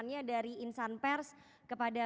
nya dari insan pers kepada